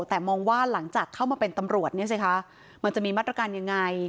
แต่มองว่าหลังจากเข้ามาเป็นตำรวจเนี่ยสิคะมันจะมีมาตรการยังไง